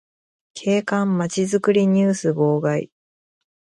景観まちづくりニュース号外